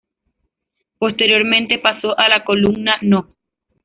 Posteriormente, pasó a la Columna No.